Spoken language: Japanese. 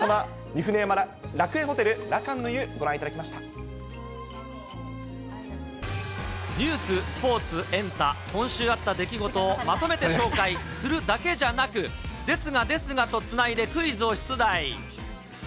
御船山楽園ホテルらかんの湯、ニュース、スポーツ、エンタ、今週あった出来事をまとめて紹介するだけじゃなく、ですがですがとつないでクイズを出題。